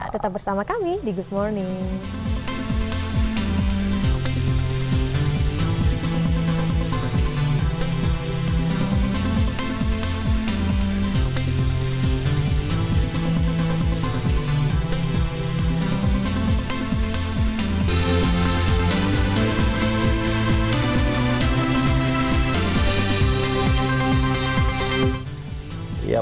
tetap bersama kami di good morning